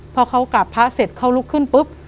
พอเขากลับพระเสร็จเขาลุกขึ้นปุ๊บ